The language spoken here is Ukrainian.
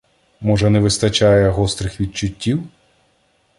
Може не вистачає гострих відчуттів?